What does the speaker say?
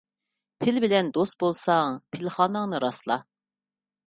پىل بىلەن دوست بولساڭ، پىلخاناڭنى راسلا.